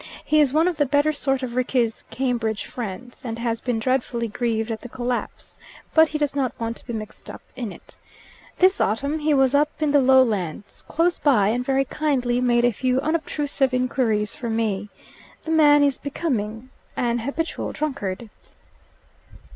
He is one of the better sort of Rickie's Cambridge friends, and has been dreadfully grieved at the collapse, but he does not want to be mixed up in it. This autumn he was up in the Lowlands, close by, and very kindly made a few unobtrusive inquiries for me. The man is becoming an habitual drunkard."